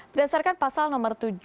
berdasarkan pasal nomor tujuh